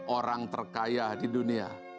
orang terkaya di dunia